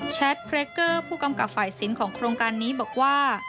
เรคเกอร์ผู้กำกับฝ่ายสินของโครงการนี้บอกว่า